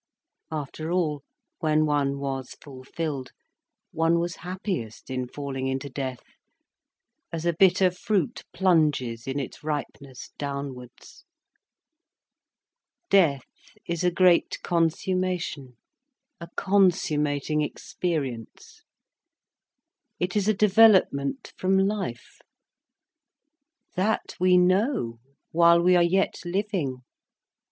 After all, when one was fulfilled, one was happiest in falling into death, as a bitter fruit plunges in its ripeness downwards. Death is a great consummation, a consummating experience. It is a development from life. That we know, while we are yet living.